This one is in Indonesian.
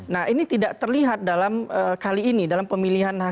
nah ini tidak terlihat dalam kali ini dalam pemilihan